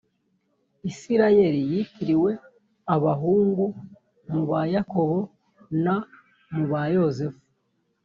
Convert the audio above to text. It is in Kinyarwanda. isirayeli yitiriwe abahungu mu ba yakobo na mu ba yozefu